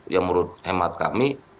yang menurut hemat kami